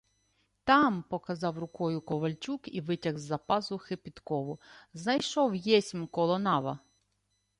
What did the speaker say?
— Там, — показав рукою ковальчук і витяг з-за пазухи підкову. — Знайшов єсмь коло нава.